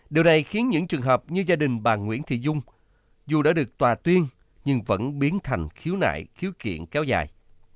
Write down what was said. điều này khiến những trường hợp như gia đình bà nguyễn thị dung dù đã được tòa tuyên nhưng vẫn biến thành khiếu nại khiếu kiện kéo dài